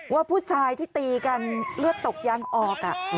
ว่าผู้ชายที่ตีกันเลือดตกยังออก